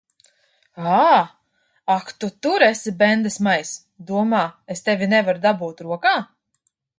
Ā! Ak tu tur esi, bendesmaiss! Domā, es tevi nevaru dabūt rokā.